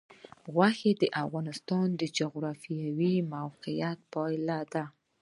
غوښې د افغانستان د جغرافیایي موقیعت پایله ده.